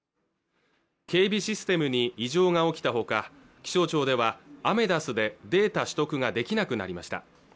警備システムに異常が起きたほか気象庁ではアメダスでデータ取得ができなくなりました